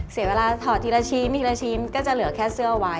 เสียเวลาถอดทีละชิ้นทีละชิ้นก็จะเหลือแค่เสื้อไว้